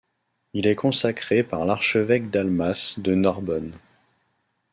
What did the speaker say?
Il est consacré par l'archevêque Dalmace de Narbonne.